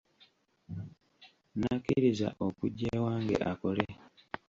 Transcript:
N'akkiriza okujja ewange akole.